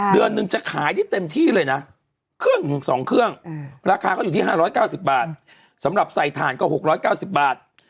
เดือนหนึ่งจะขายได้เต็มที่เลยนะเครื่อง๒เครื่องราคาก็อยู่ที่๕๙๐บาทสำหรับใส่ถ่านก็๖๙๐บาท